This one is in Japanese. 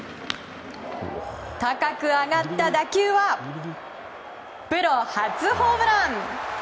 高く上がった打球はプロ初ホームラン！